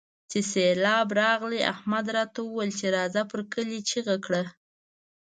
چې سېبلاب راغی؛ احمد راته وويل چې راځه پر کلي چيغه کړه.